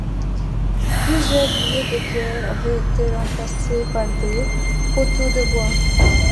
Plusieurs piliers de pierre avaient été remplacés par des poteaux de bois.